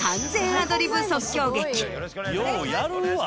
ようやるわ。